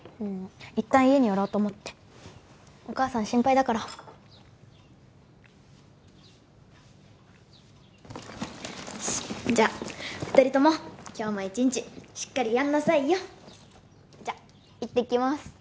うん一旦家に寄ろうと思ってお母さん心配だからよしじゃ二人とも今日も一日しっかりやんなさいよじゃ行ってきます